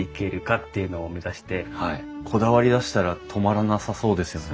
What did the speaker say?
はいこだわりだしたら止まらなさそうですよね。